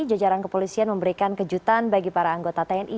jajaran kepolisian memberikan kejutan bagi para anggota tni